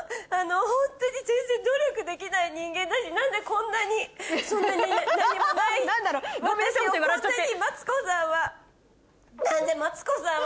ホントに全然努力できない人間だし何でこんなにそんなに何もない私をこんなにマツコさんは。